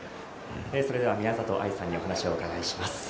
それでは宮里藍さんにお話を伺います。